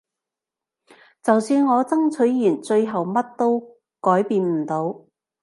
就算我爭取完最後乜都改變唔到